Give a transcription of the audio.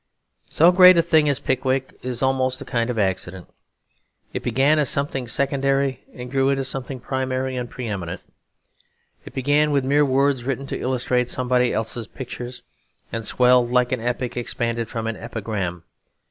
So great a thing as Pickwick is almost a kind of accident; it began as something secondary and grew into something primary and pre eminent. It began with mere words written to illustrate somebody else's pictures; and swelled like an epic expanded from an epigram.